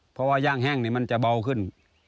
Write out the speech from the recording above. เพราะว่าย่างแห้งมันจะเบาขึ้น